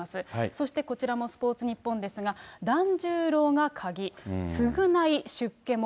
そしてこちらもスポーツニッポンですが、團十郎が鍵、償い出家も。